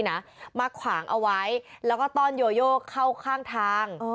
มาขวางเอาไว้แล้วก็ต้อนโยโยเข้าข้างทาง